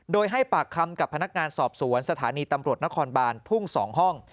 โดยให้ปากคำกับพนักงานสอบสวนสถานีตำรวจนครบานทุ่ง๒ห้อง